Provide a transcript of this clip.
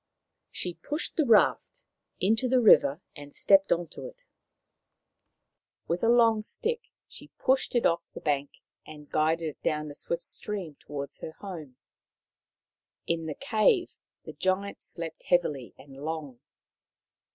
She pushed the raft into the river and stepped M 188 Maoriland Fairy Tales on to it. With a long stick she pushed it off the bank and guided it down the swift stream towards her home. In the cave the Giant slept heavily and long.